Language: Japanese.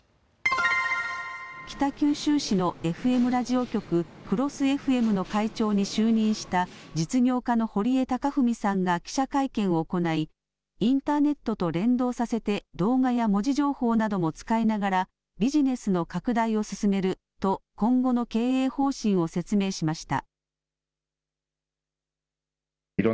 北九州市のＦＭラジオ局ＣＲＯＳＳＦＭの会長に就任した実業家の堀江貴文さんが記者会見を行いインターネットと連動させて動画や文字情報なども使いながらビジネスの拡大を進めると今後の経営方針を説明しました。